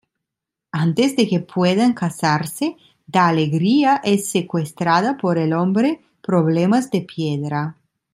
Antes de que puedan casarse, Da-Alegría es secuestrada por el hombre "Problemas-de-piedra".